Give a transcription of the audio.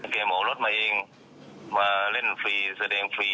แกบอกรถมาเองมาเล่นฟรีแสดงฟรี